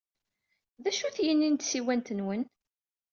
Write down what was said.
D acu-t yini n tsiwant-nwen?